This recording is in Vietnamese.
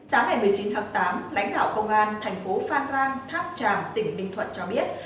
sáng ngày một mươi chín tháng tám lãnh đạo công an thành phố phan rang tháp tràm tỉnh bình thuận cho biết